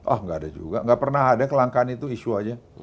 oh tidak ada juga tidak pernah ada kelangkaan itu isu saja